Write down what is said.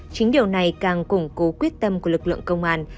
chính điều này càng củng cố quyết tâm của lực lượng công an